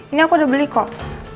ini aku udah beli kok